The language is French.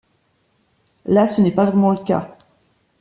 Là, ce n’est pas vraiment le cas.